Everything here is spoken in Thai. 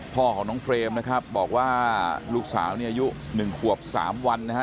พ่อของน้องเฟรมนะครับบอกว่าลูกสาวเนี่ยอายุ๑ขวบ๓วันนะฮะ